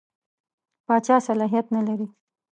پاچا صلاحیت نه لري.